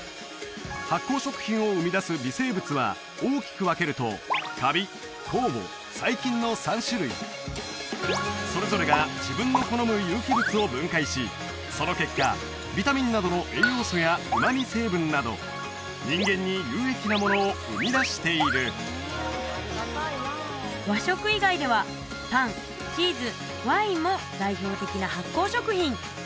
発酵食品を生み出す微生物は大きく分けるとカビ酵母細菌の３種類それぞれが自分の好む有機物を分解しその結果ビタミンなどの栄養素や旨味成分など人間に有益なものを生み出している和食以外ではパンチーズワインも代表的な発酵食品